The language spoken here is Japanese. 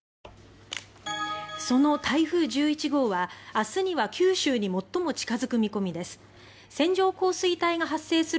その台風１１号は明日には九州に最も近付く見込みです。